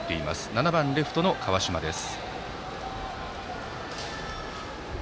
７番レフトの川島です。